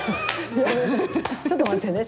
ちょっと待ってね。